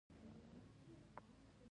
ښارونه د افغانستان د جغرافیوي تنوع مثال دی.